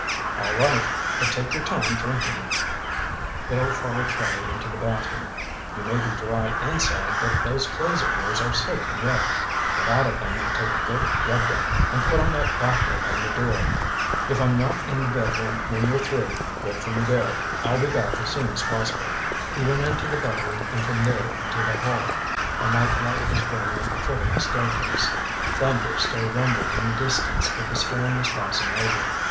"All right, but take your time drinking it." Bill followed Charlie into the bathroom. "You may be dry inside, but those clothes of yours are soaking wet. Get out of them and take a good rub down. And put on that bathrobe on the door. If I'm not in the bedroom when you're through, wait for me there—I'll be back as soon as possible." He went into the bedroom, and from there into the hall. A night light was burning at the foot of the staircase. Thunder still rumbled in the distance but the storm was passing over.